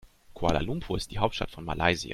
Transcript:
Kuala Lumpur ist die Hauptstadt von Malaysia.